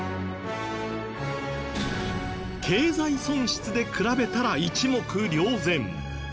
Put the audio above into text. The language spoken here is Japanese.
経済損失で比べたら一目瞭然。